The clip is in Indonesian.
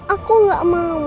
aku gak mau